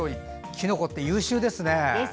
きのこって優秀ですね！